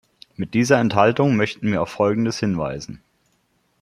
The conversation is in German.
Mit dieser Enthaltung möchten wir auf Folgendes hinweisen.